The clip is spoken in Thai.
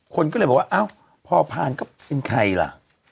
คนก็เลยบอกว่าอ้าวพอผ่านก็เป็นใครล่ะ